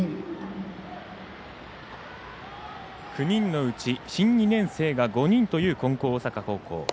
９人のうち新２年生が５人という金光大阪高校。